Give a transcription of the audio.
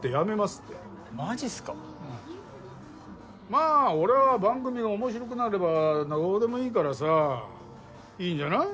まあ俺は番組が面白くなればどうでもいいからさいいんじゃない？